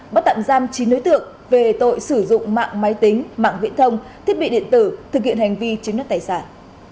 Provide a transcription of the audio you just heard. bắt tạm giam chín đối tượng về tội sử dụng mạng máy tính mạng viện thông thiết bị điện tử thực hiện hành vi chứng nhất tài sản